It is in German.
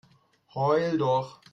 Heul doch!